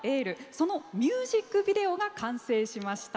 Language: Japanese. そのミュージックビデオが完成しました。